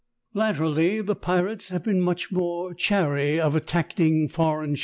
Latterly ^ the pirates have been much more ■ chary of at tacking foreign